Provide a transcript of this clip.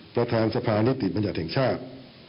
ประธานสภานิติบัญญัติแห่งชาติ